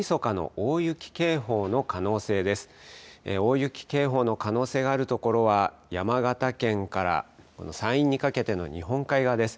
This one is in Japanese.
大雪警報の可能性がある所は、山形県から山陰にかけての日本海側です。